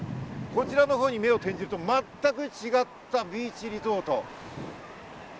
こちらに目を転じると、全く違ったビーチリゾート。